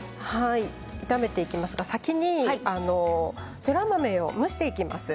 炒めていきますが先にそら豆を蒸していきます。